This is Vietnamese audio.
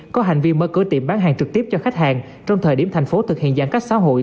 có hành vi mở cửa tiệm bán hàng trực tiếp cho khách hàng trong thời điểm thành phố thực hiện giãn cách xã hội